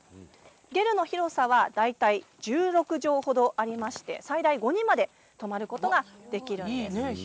ゲルの広さは大体１６畳程ありまして最大５人まで泊まることができます。